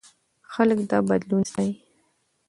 خلک دا بدلون ستایي.